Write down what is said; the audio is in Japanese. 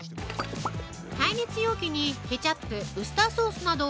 ◆耐熱容器に、ケチャップ、ウスターソースなど。